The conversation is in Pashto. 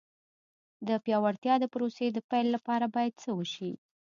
د پیاوړتیا د پروسې د پیل لپاره باید څه وشي.